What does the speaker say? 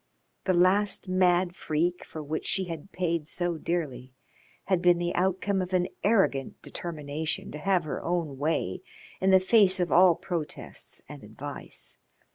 The last mad freak for which she had paid so dearly had been the outcome of an arrogant determination to have her own way in the face of all protests and advice.